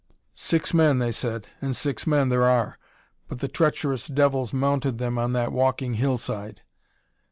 "Six men, they said. And six men there are but the treacherous devils mounted them on that walking hill side!